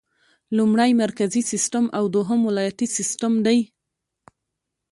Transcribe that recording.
لومړی مرکزي سیسټم او دوهم ولایتي سیسټم دی.